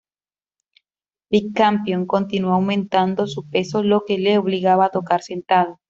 Pig Campion continuó aumentando su peso, lo que le obligaba a tocar sentado.